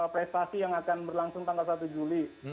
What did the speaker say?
prestasi yang akan berlangsung tanggal satu juli